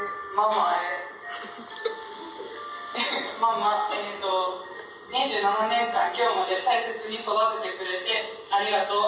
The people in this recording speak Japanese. ママ２７年間今日まで大切に育ててくれてありがとう。